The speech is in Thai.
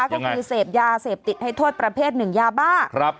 ก็คือเสพยาเสพติดให้โทษประเภทหนึ่งยาบ้า